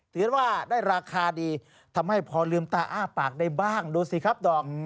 ถือว่าได้ราคาดีทำให้พอลืมตาอ้าปากได้บ้างดูสิครับดอม